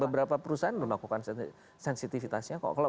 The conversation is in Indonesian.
beberapa perusahaan melakukan sensitifitasnya kalau